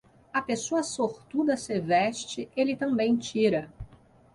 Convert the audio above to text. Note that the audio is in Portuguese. A pessoa sortuda se veste, ele também tira.